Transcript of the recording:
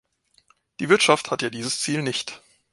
Die Wirtschaft hat ja dieses Ziel nicht.